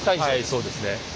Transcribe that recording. はいそうですね。